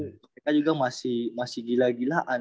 mereka juga masih gila gilaan